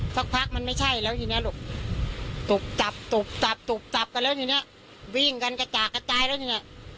สักพักมันไม่ใช่แล้วทีนี้ลูกตุบตับตุบตับตุบตับกันแล้วทีนี้วิ่งกันกระจากระจายแล้วเนี่ย